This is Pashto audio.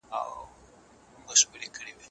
تاوان مې د تجربې د مېوې په څېر وګاڼه.